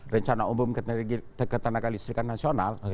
rencana umum ketenaga listrikan nasional